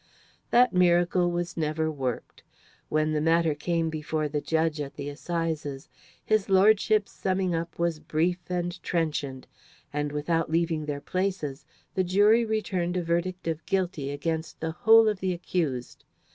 That miracle was never worked. When the matter came before the judge at the assizes, his lordship's summing up was brief and trenchant, and, without leaving their places, the jury returned a verdict of guilty against the whole of the accused.